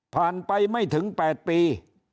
ผ่านไปไม่ถึง๘ปี